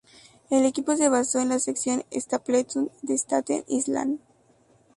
El equipo se basó en la sección Stapleton de Staten Island.